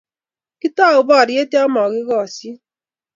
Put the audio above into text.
kiitou borye ya makosyinio